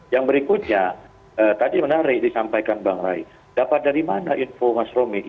yang berikutnya tadi menarik disampaikan bang ray dapat dari mana info mas romi